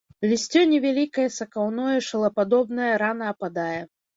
Лісце невялікае сакаўное, шылападобнае, рана ападае.